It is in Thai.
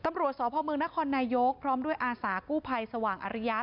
ตำรวจสพเมืองนครนายกพร้อมด้วยอาสากู้ภัยสว่างอริยะ